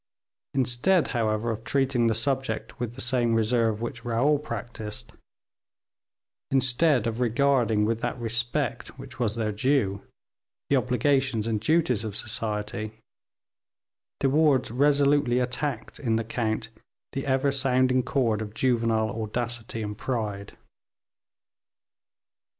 Instead, however, of treating the subject with the same reserve which Raoul practiced; instead of regarding with that respect, which was their due, the obligations and duties of society, De Wardes resolutely attacked in the count the ever sounding chord of juvenile audacity and pride.